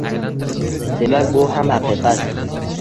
Demak, bu ham haqiqat.